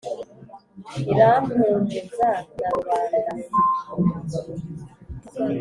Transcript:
irampumuza na rubanda.